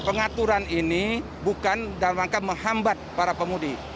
pengaturan ini bukan dalam rangka menghambat para pemudi